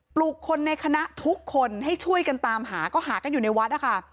ลุกคนในคณะทุกคนให้ช่วยกันตามหาก็หากันอยู่ในวัดนะคะ